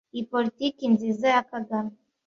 Iyi politiki nziza ya Kagame